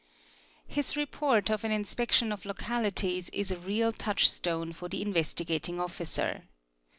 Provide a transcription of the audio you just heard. &,' His report? of an inspection of localities is a real touchstone for the Investigating Officer.